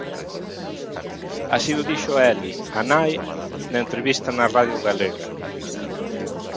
Así o dixo Eli, a nai, na entrevista na Radio Galega.